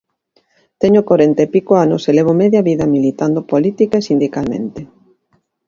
Teño corenta e pico anos e levo media vida militando política e sindicalmente.